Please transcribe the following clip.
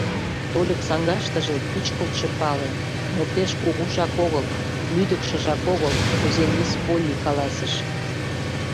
— Тольык саҥгаштыже пӱчкылтшӧ пале, но пеш кугужак огыл... лӱдыкшыжак огыл, кузе мисс Полли каласыш.